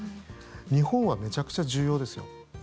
日本はめちゃくちゃ重要ですよ。